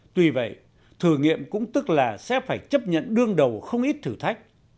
tuy vậy thử nghiệm cũng tức là sẽ phải chấp nhận đương đầu không ít thử thách